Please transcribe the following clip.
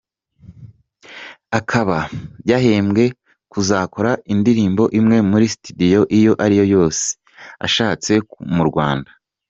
Akaba yahembwe kuzakora indirimbo imwe muri Studio iyo ari yo yose ashatse mu Rwanda.